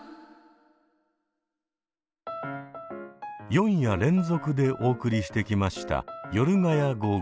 ４夜連続でお送りしてきました「ヨルガヤ５５」